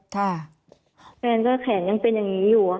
แขนยังเป็นอย่างนี้อยู่